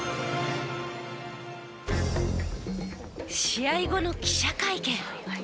試合後の記者会見。